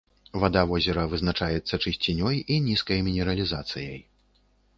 Вада возера вызначаецца чысцінёй і нізкай мінералізацыяй.